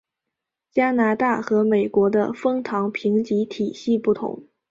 加拿大和美国的枫糖评级体系不同。